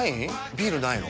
ビールないの？